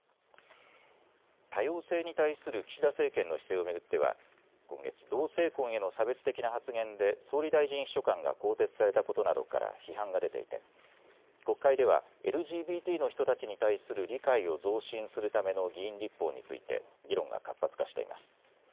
多様性に対する岸田政権の姿勢を巡っては今月、同性婚への差別的な発言で総理大臣秘書官が更迭されたことなどから批判が出ていて国会ではＬＧＢＴの人たちに対する理解を増進するための議員立法について議論が活発化しています。